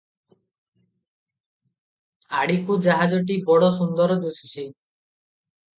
ଆଡ଼ିକୁ ଜାହଜଟି ବଡ଼ ସୁନ୍ଦର ଦିଶୁଛି ।